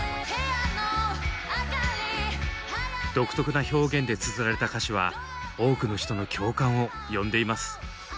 独特な表現でつづられた歌詞は多くの人の共感を呼んでいます。